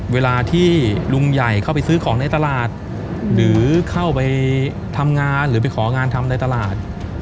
เวลาที่ลุงใหญ่เข้าไปซื้อของในตลาดหรือเข้าไปทำงานหรือไปของานทำในตลาด